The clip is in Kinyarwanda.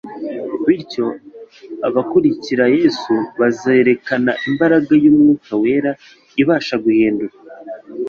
Bityo abakurikira Yesu bazerekana imbaraga y'Umwuka Wera ibasha guhindura